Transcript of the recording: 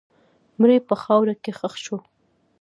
مړی په خاوره کې ښخ شو.